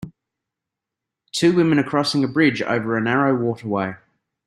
Two women are crossing a bridge over a narrow waterway.